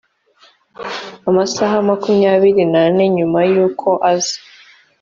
amasaha makumyabiri nane nyuma y uko aza